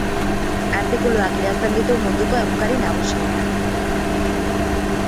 Artikuluak idazten ditu munduko egunkari nagusietan.